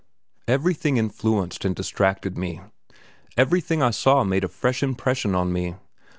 Everything influenced and distracted me; everything I saw made a fresh impression on me.